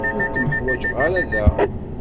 Ur kem-ḥwajeɣ ara da.